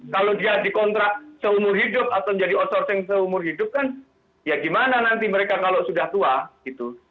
kalau dia dikontrak seumur hidup atau menjadi outsourcing seumur hidup kan ya gimana nanti mereka kalau sudah tua gitu